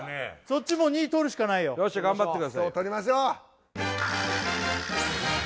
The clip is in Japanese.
そっちも２取るしかないよ頑張ってください取りましょう！